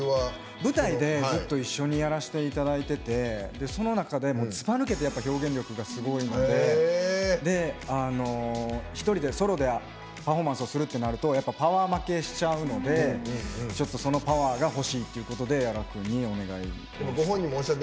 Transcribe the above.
舞台でずっと一緒にやらせていただいててその中でずばぬけて表現力がすごいので１人で、ソロでパフォーマンスをするってなるとやっぱパワー負けしちゃうのでちょっとそのパワーが欲しいっていうことで屋良君にお願いをして。